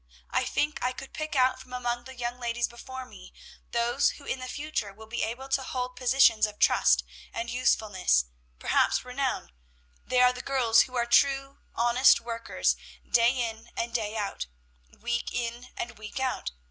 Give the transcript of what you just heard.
I think I could pick out from among the young ladies before me, those who in the future will be able to hold positions of trust and usefulness, perhaps renown; they are the girls who are true, honest workers, day in and day out, week in and week out.